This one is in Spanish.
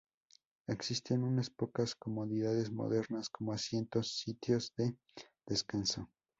Existen una pocas comodidades modernas, como asientos, sitios de descanso.